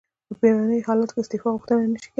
په بیړنیو حالاتو کې د استعفا غوښتنه نشي کیدای.